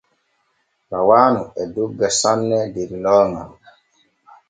Rawaanu e dogga sanne der looŋal.